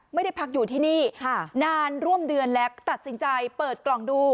ไม่ได้พักอยู่ที่นี่นานร่วมเดือนแล้วตัดสินใจเปิดกล่องดู